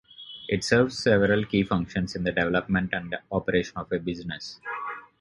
It serves several key functions in the development and operation of a business.